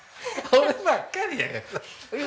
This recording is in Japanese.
俺ばっかりやん。